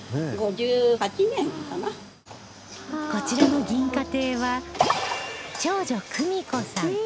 こちらの銀華亭は長女久美子さん